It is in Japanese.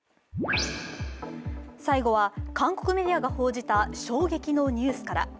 最後は韓国メディアが報じた衝撃のニュースから。